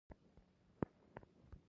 دې پاڅون ته د واټ تایلور نوم ورکړل شو.